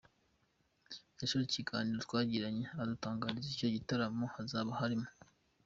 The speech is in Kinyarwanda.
yasoje ikiganiro twagiranye adutangariza ko icyo gitaramo hazaba harimo.